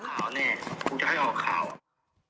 ห็าเนี่ย